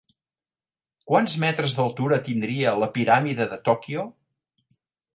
Quants metres d'altura tindria la Piràmide de Tòquio?